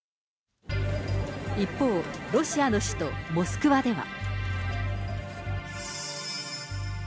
一方、ロシアの首都モスクワでは。